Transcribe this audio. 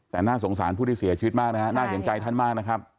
แต่น่าสงสารผู้ที่เสียชีวิตมากนะฮะน่าเห็นใจท่านมากนะครับ